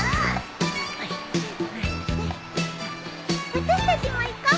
私たちも行こう。